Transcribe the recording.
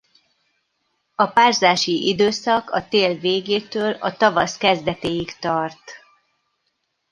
A párzási időszak a tél végétől a tavasz kezdetéig tart.